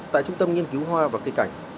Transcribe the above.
tại trung tâm nghiên cứu hoa và cây cảnh